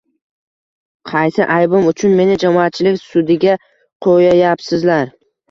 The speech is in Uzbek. Qaysi aybim uchun meni jamoatchilik sudiga qo‘yayapsizlar?